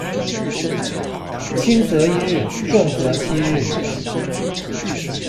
輕則一日重則七日